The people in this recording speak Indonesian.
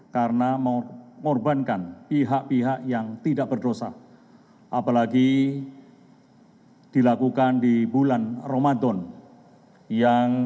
karena mengorbankan pihak pihak yang tidak berdosa apalagi dilakukan di bulan ramadan yang